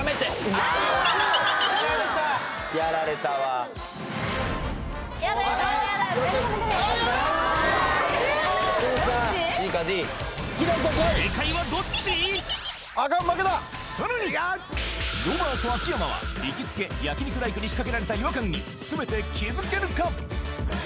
アカン負けださらにロバート秋山は行きつけ焼肉ライクに仕掛けられた違和感に全て気づけるか？